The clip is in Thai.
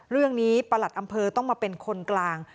เรื่องนี้ประหลัดอำเภอต้องมาเป็นคนกลาง